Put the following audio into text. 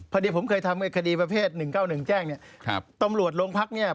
พอดีผมเคยทำคดีประเภท๑๙๑แจ้งเนี่ยตำรวจโรงพักษณ์เนี่ย